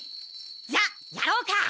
じゃやろうか！